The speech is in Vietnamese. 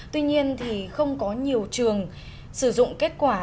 tuy nhiên thì không có nhiều trường sử dụng kết quả